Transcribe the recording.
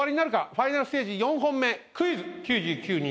ファイナルステージ４本目クイズ。